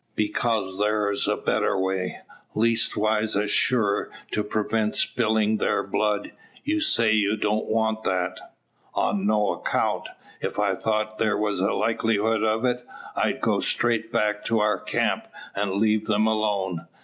"Because thar's a better leastwise a surer to prevent spillin' thar blood. Ye say, you don't want that?" "On no account. If I thought there was a likelihood of it, I'd go straight back to our camp, and leave them alone.